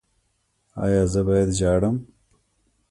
ایا زه باید ژاړم؟